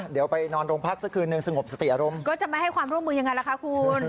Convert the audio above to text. เดี๋ยวไปนอนโรงพักสักคืนนึงสงบสติอารมณ์ก็จะไม่ให้ความร่วมมือยังไงล่ะคะคุณ